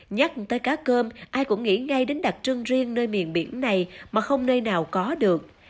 nhắc tới cá cơm ai cũng nghĩ ngay đến đặc trưng riêng nơi miền biển này mà không nơi nào có được